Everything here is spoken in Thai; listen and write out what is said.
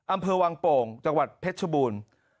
อำเภอวังโป่งจังหวัดเพชรชบูรณ์